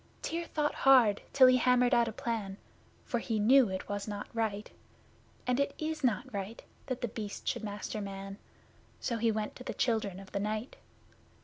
Tyr thought hard till he hammered out a plan, For he knew it was not right (And it is not right) that The Beast should master Man; So he went to the Children of the Night.